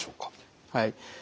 はい。